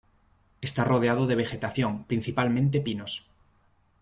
Está rodeado de vegetación, principalmente pinos.